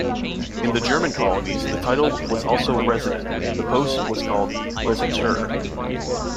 In the German colonies, the title was also Resident; the post was called "Residentur".